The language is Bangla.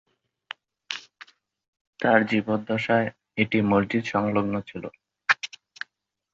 তাঁর জীবদ্দশায় এটি মসজিদ সংলগ্ন ছিলো।